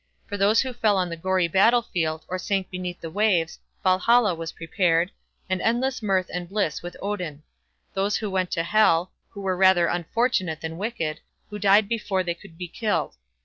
For those who fell on the gory battle field, or sank beneath the waves, Valhalla was prepared, and endless mirth and bliss with Odin. Those went to Hel, who were rather unfortunate than wicked, who died before they could be killed.